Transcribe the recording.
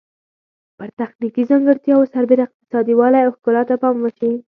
پر تخنیکي ځانګړتیاوو سربیره اقتصادي والی او ښکلا ته پام وشي.